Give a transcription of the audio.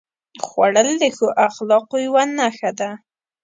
خوړل د ښو اخلاقو یوه نښه ده